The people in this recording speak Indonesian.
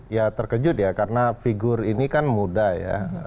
ya terkejut ya karena figur ini kan muda ya